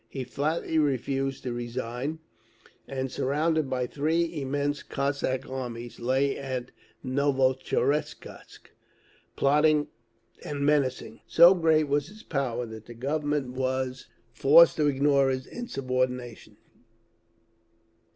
He flatly refused to resign, and surrounded by three immense Cossack armies lay at Novotcherkask, plotting and menacing. So great was his power that the Government was forced to ignore his insubordination.